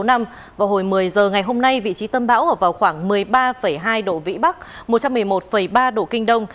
vào hồi một mươi giờ ngày hôm nay vị trí tâm bão ở vào khoảng một mươi ba hai độ vĩ bắc một trăm một mươi một ba độ kinh đông